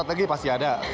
tapi lagi pasti ada